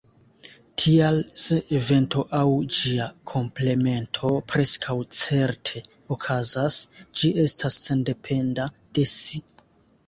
Tial se evento aŭ ĝia komplemento preskaŭ certe okazas, ĝi estas sendependa de si.